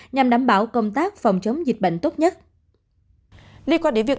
nhằm đảm bảo công tác phòng chống dịch